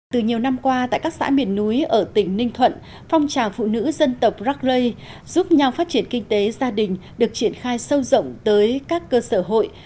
từ nhiều năm qua tại các xã miền núi ở tỉnh ninh thuận phong trào phụ nữ dân tộc rắc rây giúp nhau phát triển kinh tế gia đình được triển khai sâu rộng tới các cơ sở hội